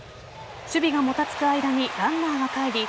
守備がもたつく間にランナーがかえり